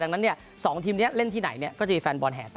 ดังนั้นนี้๒ทีมนี้เล่นที่ไหนก็จะมีแฟนบอลแห่ต่างด้วย